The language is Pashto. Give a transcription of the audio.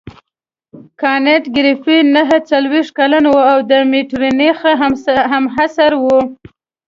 کانت ګریفي نهه څلوېښت کلن وو او د مټرنیخ همعصره وو.